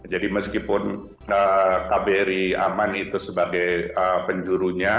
jadi meskipun kbri aman itu sebagai penjurunya